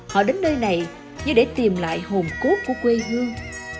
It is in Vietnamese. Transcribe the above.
họ đến nơi này như để tìm lại hồn cốt của quê hương